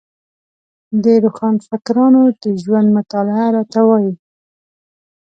د روښانفکرانو د ژوند مطالعه راته وايي.